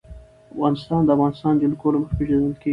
افغانستان د د افغانستان جلکو له مخې پېژندل کېږي.